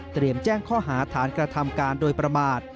แจ้งข้อหาฐานกระทำการโดยประมาท